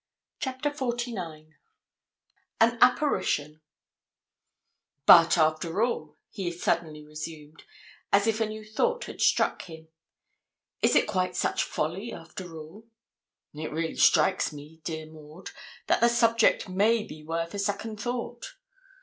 CHAPTER XLIX AN APPARITION 'But, after all,' he suddenly resumed, as if a new thought had struck him, 'is it quite such folly, after all? It really strikes me, dear Maud, that the subject may be worth a second thought.